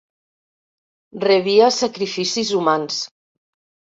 Rebia sacrificis humans.